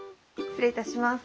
失礼いたします。